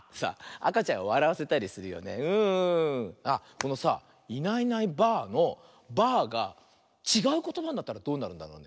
このさ「いないいないばあ！」の「ばあ」がちがうことばになったらどうなるんだろうね？